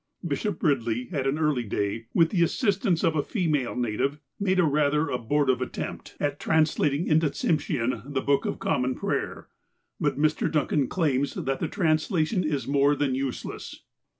Bishop Ridley, at an early day, with the assistance of a female native, made a rather abortive attempt at 364 THE APOSTLE OF ALASKA translatiug into Tsiinshean the Book of Common Prayer, but Mr. Duueaii claims that the translation is more than useless.